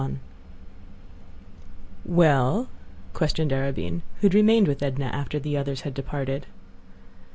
XXXI "Well?" questioned Arobin, who had remained with Edna after the others had departed.